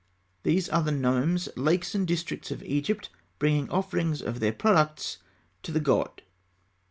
These are the nomes, lakes, and districts of Egypt, bringing offerings of their products to the god.